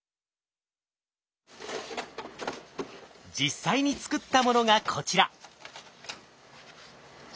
実際に作ったものがこちら！